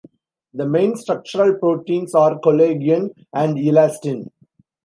The main structural proteins are collagen and elastin.